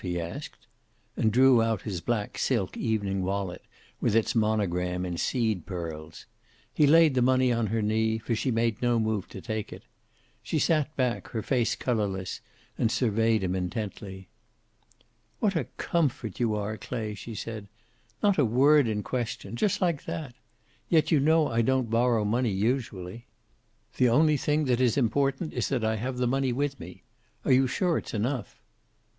he asked. And drew out his black silk evening wallet, with its monogram in seed pearls. He laid the money on her knee, for she made no move to take it. She sat back, her face colorless, and surveyed him intently. "What a comfort you are, Clay," she said. "Not a word in question. Just like that! Yet you know I don't borrow money, usually." "The only thing that is important is that I have the money with me. Are you sure it's enough?"